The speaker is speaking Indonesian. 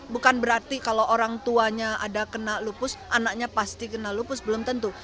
bukan berarti kalau orang tuanya ada kena lupus anaknya pasti kena lupus belum tentu